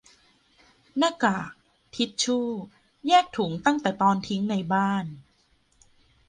- หน้ากาก ทิชชู แยกถุงตั้งแต่ตอนทิ้งในบ้าน